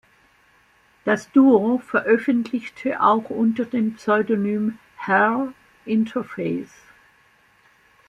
Das Duo veröffentlichte auch unter dem Pseudonym "Hell Interface".